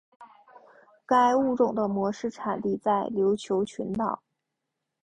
该物种的模式产地在琉球群岛。